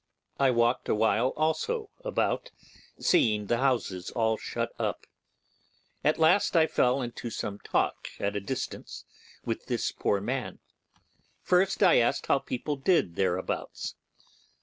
I walked a while also about, seeing the houses all shut up. At last I fell into some talk, at a distance, with this poor man; first I asked him how people did thereabouts.